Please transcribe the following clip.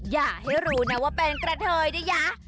อย่าให้รู้ว่าเป็นกระเทยดีห๊ะ